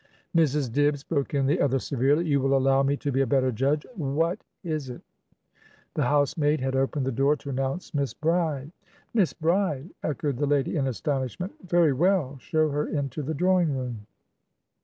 "Mrs. Dibbs," broke in the other severely, "you will allow me to be a better judgewhat is it?" The housemaid had opened the door to announce Miss Bride. "Miss Bride?" echoed the lady in astonishment. "Very well; show her into the drawing room."